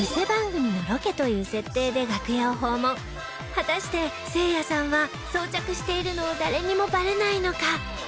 果たしてせいやさんは装着しているのを誰にもバレないのか？